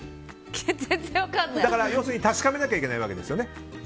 要するに確かめなきゃいけないわけですよね。